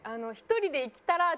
１人で生きたらぁ！